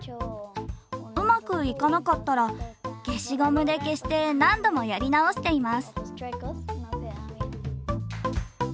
うまくいかなかったら消しゴムで消して何度もやり直しています。